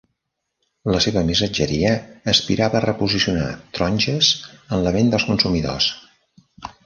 La seva missatgeria aspirava a reposicionar taronges en la ment de consumidors.